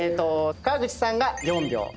川口さんが４秒。